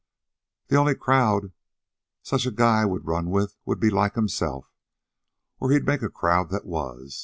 "The only crowd such a guy'd run with would be like himself, or he'd make a crowd that was.